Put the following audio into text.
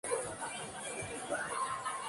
Al carecer de descripción, es un "nomen nudum".